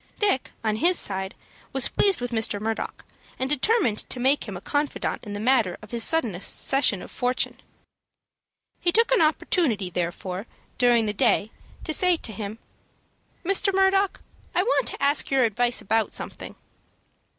Dick, on his side, was pleased with Mr. Murdock, and determined to make him a confidant in the matter of his sudden accession of fortune. He took an opportunity, therefore, during the day, to say to him, "Mr. Murdock, I want to ask your advice about something."